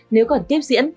nếu còn tiếp diễn